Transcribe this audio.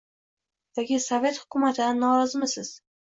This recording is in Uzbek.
Yoki sovet hukumatidan norozimisiz?